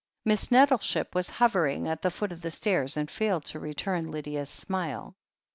Miss Nettleship was hovering at the foot of the stairs and failed to return Lydia's smile.